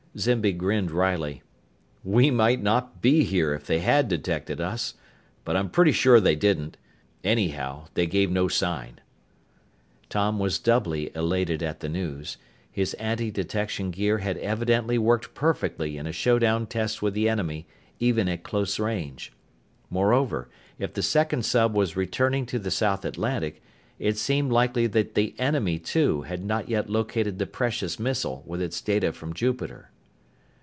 Zimby grinned wryly. "We might not be here if they had detected us. But I'm pretty sure they didn't. Anyhow, they gave no sign." Tom was doubly elated at the news. His antidetection gear had evidently worked perfectly in a showdown test with the enemy, even at close range. Moreover, if the second sub was returning to the South Atlantic, it seemed likely that the enemy, too, had not yet located the precious missile with its data from Jupiter.